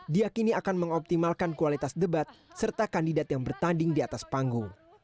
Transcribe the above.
diakini akan mengoptimalkan kualitas debat serta kandidat yang bertanding di atas panggung